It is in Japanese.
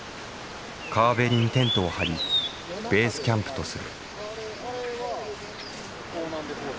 川べりにテントを張りベースキャンプとする。